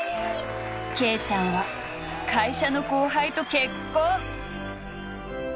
慶ちゃんは会社の後輩と結婚！